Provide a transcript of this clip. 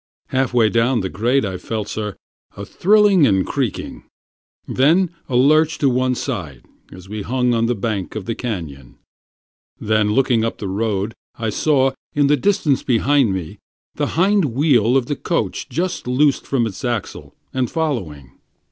Half way down the grade I felt, sir, a thrilling and creaking, Then a lurch to one side, as we hung on the bank of the cañon; Then, looking up the road, I saw, in the distance behind me, The off hind wheel of the coach just loosed from its axle, and following.